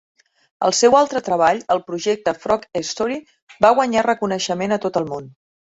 El seu altre treball, el projecte Frog-Story, va guanyar reconeixement a tot el món.